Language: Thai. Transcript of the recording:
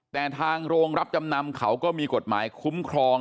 แต่ทางโรงรับจำนำเขาก็มีกฎหมายคุ้มครอง